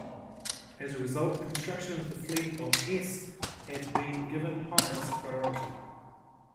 As a result, construction of the fleet of s had been given highest priority.